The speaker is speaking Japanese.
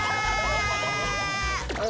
あ？